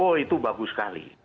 oh itu bagus sekali